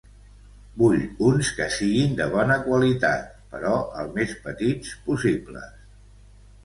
Vull uns que siguin de bona qualitat, però el més petits possibles.